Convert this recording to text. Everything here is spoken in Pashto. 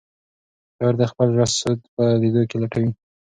شاعر د خپل زړه سود په لیدو کې لټوي.